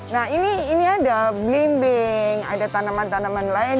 nah ini ini ada belimbing ada tanaman tanaman lain